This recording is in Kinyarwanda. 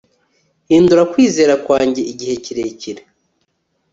Hindura kwizera kwanjye igihe kirekire